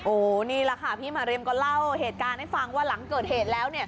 โอ้โหนี่แหละค่ะพี่มาริมก็เล่าเหตุการณ์ให้ฟังว่าหลังเกิดเหตุแล้ว